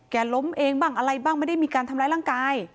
ล้มเองบ้างอะไรบ้างไม่ได้มีการทำร้ายร่างกาย